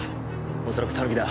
おそらくタヌキだ。